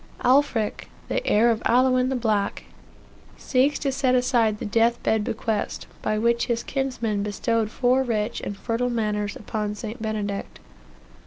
Alfric, the heir of 'Aylwin, the black,' seeks to set aside the death bed bequest, by which his kinsman bestowed four rich and fertile manors upon St. Benedict.